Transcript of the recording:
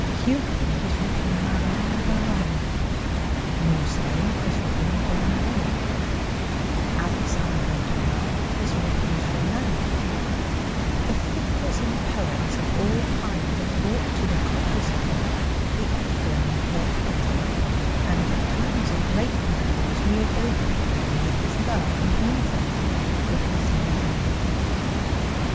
Hugo has written Marion Delorme, Musset has written Bernerette, Alexandre Dumas has written Fernande, the thinkers and poets of all time have brought to the courtesan the offering of their pity, and at times a great man has rehabilitated them with his love and even with his name.